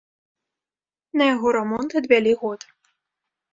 На яго рамонт адвялі год.